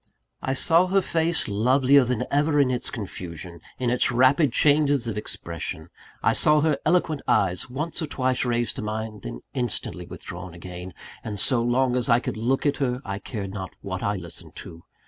I saw her face, lovelier than ever in its confusion, in its rapid changes of expression; I saw her eloquent eyes once or twice raised to mine, then instantly withdrawn again and so long as I could look at her, I cared not what I listened to.